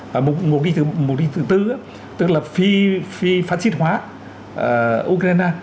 và mục đích thứ bốn tức là phí phát xít hóa ukraine